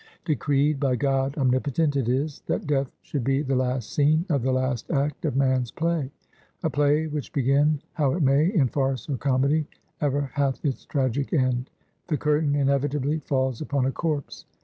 Decreed by God Omnipotent it is, that Death should be the last scene of the last act of man's play; a play, which begin how it may, in farce or comedy, ever hath its tragic end; the curtain inevitably falls upon a corpse.